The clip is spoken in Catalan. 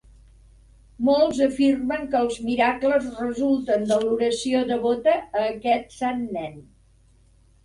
Molts afirmen que els miracles resulten de l'oració devota a aquest Sant Nen.